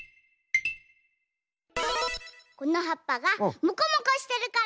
このはっぱがモコモコしてるから。